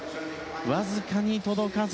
わずかに届かず。